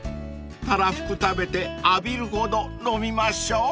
［たらふく食べて浴びるほど飲みましょう］